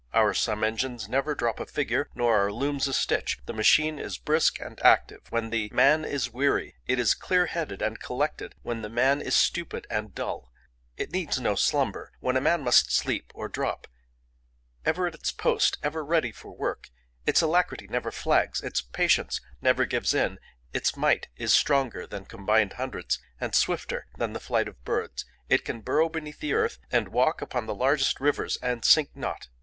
Our sum engines never drop a figure, nor our looms a stitch; the machine is brisk and active, when the man is weary; it is clear headed and collected, when the man is stupid and dull; it needs no slumber, when man must sleep or drop; ever at its post, ever ready for work, its alacrity never flags, its patience never gives in; its might is stronger than combined hundreds, and swifter than the flight of birds; it can burrow beneath the earth, and walk upon the largest rivers and sink not.